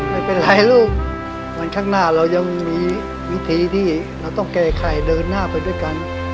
ไม่เป็นไรลูกวันข้างหน้าเรายังมีวิธีที่เราต้องแก้ไขเดินหน้าไปด้วยกัน